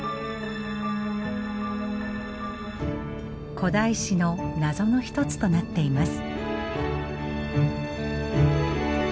古代史の謎の一つとなっています。